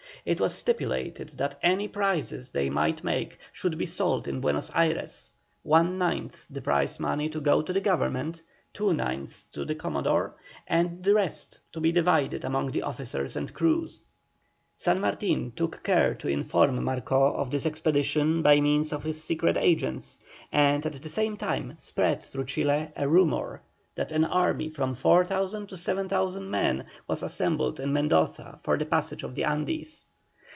It was stipulated that any prizes they might make should be sold in Buenos Ayres, one ninth the prize money to go to Government, two ninths to the Commodore, and the rest was to be divided among the officers and crews. San Martin took care to inform Marcó of this expedition by means of his secret agents, and at the same time spread through Chile a rumour that an army from 4,000 to 7,000 men was assembled in Mendoza for the passage of the Andes.